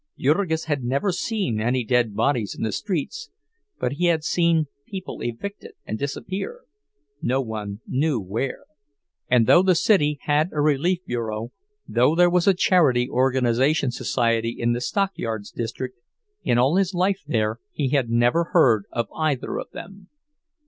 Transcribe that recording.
Jurgis had never seen any dead bodies in the streets, but he had seen people evicted and disappear, no one knew where; and though the city had a relief bureau, though there was a charity organization society in the stockyards district, in all his life there he had never heard of either of them.